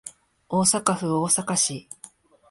大阪府大阪市